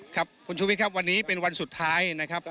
ครับคุณชูวิทย์ครับวันนี้เป็นวันสุดท้ายนะครับ